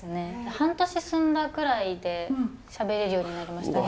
半年住んだぐらいでしゃべれるようになりましたね。